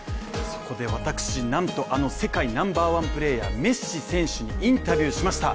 そこで私、なんとあの世界ナンバーワンプレーヤー、メッシ選手にインタビューしました！